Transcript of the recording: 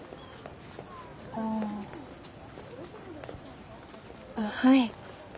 ああはい。